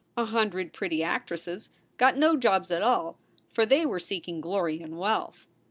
A hundred pretty actresses got no jobs at all, for they were seeking glory and wealth.